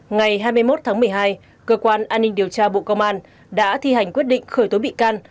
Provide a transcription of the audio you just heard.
ngày hai mươi một tháng một mươi hai cơ quan an ninh điều tra bộ công an đã thi hành quyết định khởi tố bị can